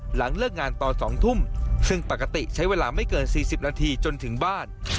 หลังเลิกงานตอน๒ทุ่มซึ่งปกติใช้เวลาไม่เกิน๔๐นาทีจนถึงบ้าน